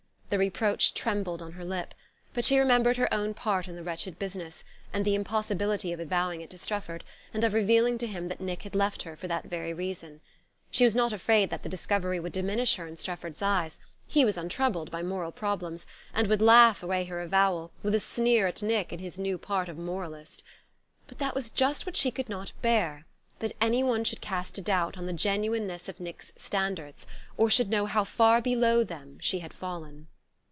The reproach trembled on her lip but she remembered her own part in the wretched business, and the impossibility of avowing it to Strefford, and of revealing to him that Nick had left her for that very reason. She was not afraid that the discovery would diminish her in Strefford's eyes: he was untroubled by moral problems, and would laugh away her avowal, with a sneer at Nick in his new part of moralist. But that was just what she could not bear: that anyone should cast a doubt on the genuineness of Nick's standards, or should know how far below them she had fallen.